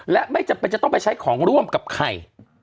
และไม่จำเป็นจะต้องไปใช้ของร่วมกับใคร